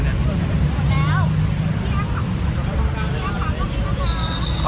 สวัสดีค่ะ